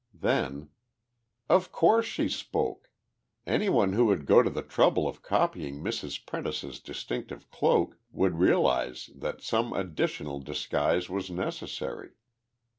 Then: "Of course she spoke! Anyone who would go to the trouble of copying Mrs. Prentice's distinctive cloak would realize that some additional disguise was necessary.